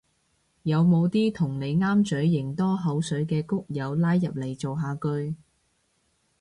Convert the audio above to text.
有冇啲同你啱嘴型多口水嘅谷友拉入嚟造下句